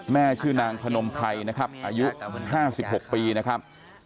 ชื่อนางพนมไพรนะครับอายุ๕๖ปีนะครับ